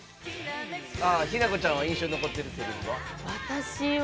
日奈子ちゃんは印象に残ってるせりふは？